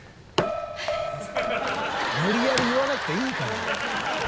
無理やり言わなくていいから。